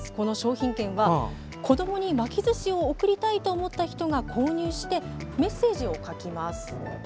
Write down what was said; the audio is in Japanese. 品券は、子どもに巻きずしを贈りたいと思った人が購入してメッセージを書きます。